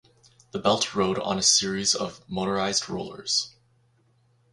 The belt rode on a series of motorized rollers.